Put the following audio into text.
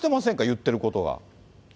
言ってることが。